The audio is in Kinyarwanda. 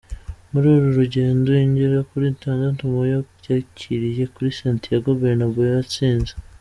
Muri uru rugendo igera kuri itandatu mu yo yakiriye kuri Santiago Bernabeu yayitsinze.